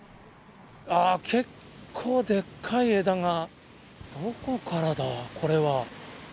あー、結構でっかい枝が、どこからだ、これは。